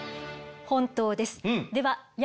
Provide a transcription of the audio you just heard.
本当です。